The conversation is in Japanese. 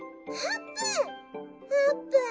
「あーぷん！